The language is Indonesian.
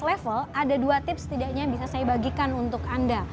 pada level pedas ada dua tips setidaknya bisa saya bagikan untuk anda